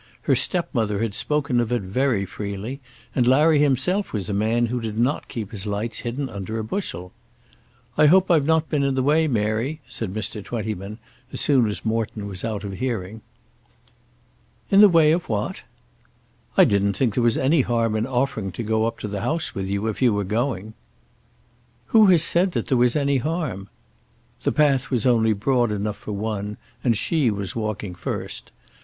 Her stepmother had spoken of it very freely; and Larry himself was a man who did not keep his lights hidden under a bushel. "I hope I've not been in the way, Mary," said Mr. Twentyman, as soon as Morton was out of hearing. "In the way of what?" "I didn't think there was any harm in offering to go up to the house with you if you were going." "Who has said there was any harm?" The path was only broad enough for one and she was walking first.